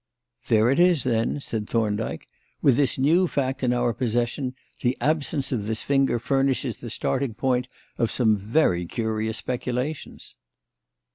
"There it is, then," said Thorndyke. "With this new fact in our possession, the absence of this finger furnishes the starting point of some very curious speculations."